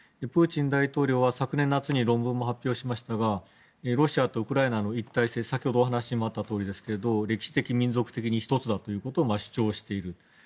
プーチン大統領は昨年夏に論文も発表しましたがロシアとウクライナの一体性先ほどお話にあったとおりですが歴史的、民族的に１つだということを主張している。